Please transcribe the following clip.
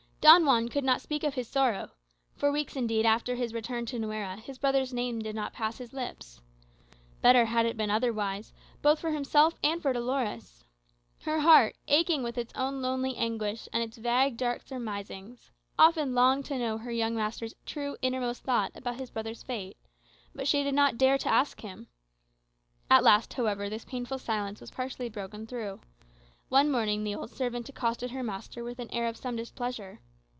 Don Juan could not speak of his sorrow. For weeks indeed after his return to Nuera his brother's name did not pass his lips. Better had it been otherwise, both for himself and for Dolores. Her heart, aching with its own lonely anguish and its vague, dark surmisings, often longed to know her young master's true innermost thought about his brother's fate. But she did not dare to ask him. At last, however, this painful silence was partially broken through. One morning the old servant accosted her master with an air of some displeasure.